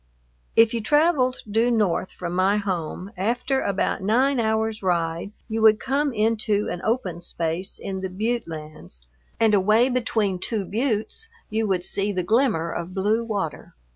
If you traveled due north from my home, after about nine hours' ride you would come into an open space in the butte lands, and away between two buttes you would see the glimmer of blue water.